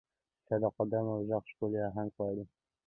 ستا د قدم او ږغ، ښکلې اهنګ غواړي